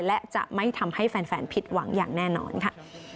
และจะไม่ทำให้แฟนผิดหวังอย่างแน่นอนค่ะ